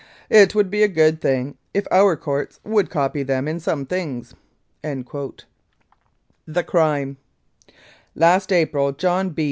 * It would be a good thing if our courts would copy them in some things.' "THE CRIME "Last April, John P.